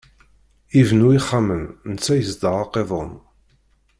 Ibennu ixxamen, netta yezdeɣ aqiḍun.